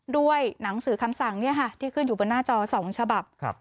ด้วยหนังสือคำสั่งที่ขึ้นอยู่บนหน้าจอ๒ฉบับ